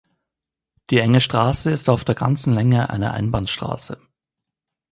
Die enge Straße ist auf der ganzen Länge eine Einbahnstraße.